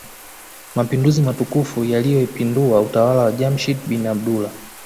Mapinduzi matukufu yaliyopindua utawala wa Jamshid bin Abdullah